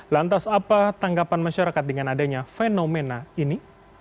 lantas apa tanggapan masyarakat dengan adanya fenomena ini